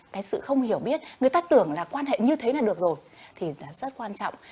cái sự không hiểu biết người ta tưởng là quan hệ như thế là được rồi thì rất quan trọng